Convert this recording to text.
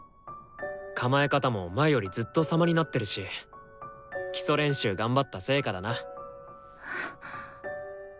構え方も前よりずっとさまになってるし基礎練習頑張った成果だな。